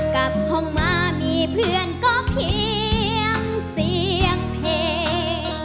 กลับห้องมามีเพื่อนก็เพียงเสียงเพลง